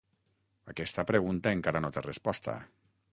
Aquesta pregunta encara no té resposta.